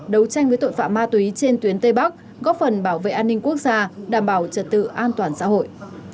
đấu tranh với tội phạm ma túy trên tuyến tây bắc góp phần bảo vệ an ninh quốc gia đảm bảo trật tự an toàn xã hội